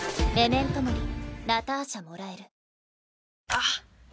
あっ！